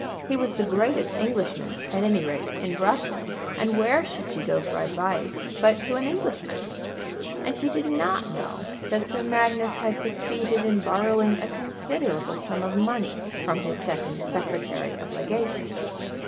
He was the greatest Englishman, at any rate, in Brussels, and where should she go for advice but to an Englishman? And she did not know that Sir Magnus had succeeded in borrowing a considerable sum of money from his second secretary of legation.